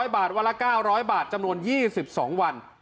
๐บาทวันละ๙๐๐บาทจำนวน๒๒วัน